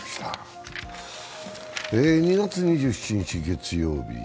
２月２７日月曜日。